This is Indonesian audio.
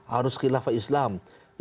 harus khilafat islam